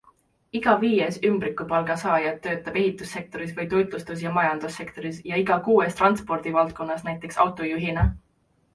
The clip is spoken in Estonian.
Iga viies ümbrikupalga saaja töötab ehitussektoris või toitlustus- ja majutussektoris ja iga kuues transpordivaldkonnas näiteks autojuhina.